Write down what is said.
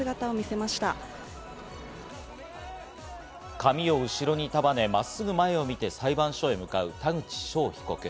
髪を後ろに束ね、まっすぐ前を見て、裁判所へ向かう田口翔被告。